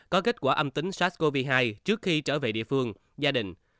có kết quả âm tính sars cov hai trước khi trở về địa phương gia đình